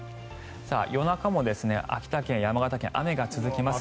夜中も秋田県、山形県は雨が続きます。